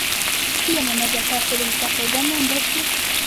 kwiyamamaza kwa Perezida Kagame ndetse